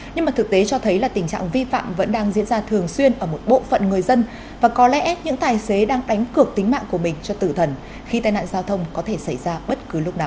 nhưng mà thực tế cho thấy là tình trạng vi phạm vẫn đang diễn ra thường xuyên ở một bộ phận người dân và có lẽ những tài xế đang đánh cược tính mạng của mình cho tử thần khi tai nạn giao thông có thể xảy ra bất cứ lúc nào